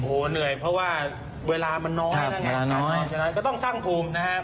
เหนื่อยเพราะว่าเวลามันน้อยจากนั้นก็ต้องสร้างภูมินะครับ